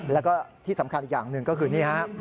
แล้วก็ที่สำคัญอีกอย่างหนึ่งก็คือนี่ฮะ